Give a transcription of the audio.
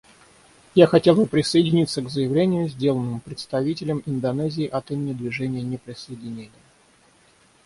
Я хотел бы присоединиться к заявлению, сделанному представителем Индонезии от имени Движения неприсоединения.